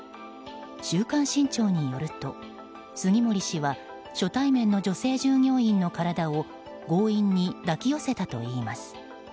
「週刊新潮」によると、杉森氏は初対面の女性従業員の体を強引に抱き寄せたといいます。